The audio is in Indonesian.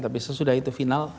tapi sesudah itu final